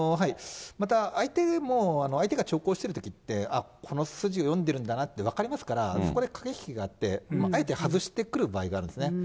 また相手も、相手が長考してるときって、この筋読んでるんだなって分かりますから、そこで駆け引きがあって、あえて外してくる場合があるんですね。